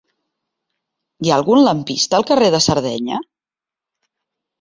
Hi ha algun lampista al carrer de Sardenya?